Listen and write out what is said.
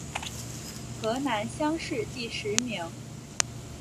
河南乡试第十名。